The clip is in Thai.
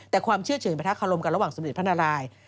แต่ความเชื่อเฉยภัทราขาลมกันระหว่างสมฤติพระนารายย์